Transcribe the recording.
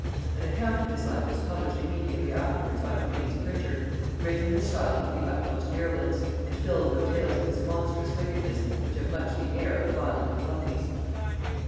An account of his life was published immediately afterwards by the queen's printer, written in a style of the utmost virulence, and filled with tales of his monstrous wickedness which have much the air of violent calumnies.